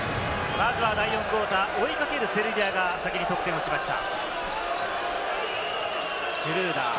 まずは第４クオーター、追いかけるセルビアが先に得点をしました。